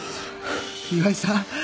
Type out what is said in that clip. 岩井さん。